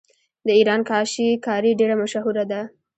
د ایران کاشي کاري ډیره مشهوره ده.